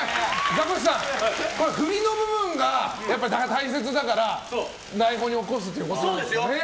ザコシさん、振りの部分が大切だから台本に起こすということなんですかね。